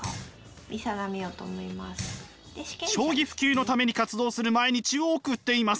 将棋普及のために活動する毎日を送っています。